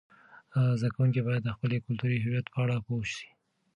زده کوونکي باید د خپل کلتوري هویت په اړه پوه سي.